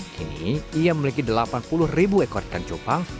kini ia memiliki delapan puluh ribu ekor ikan cupang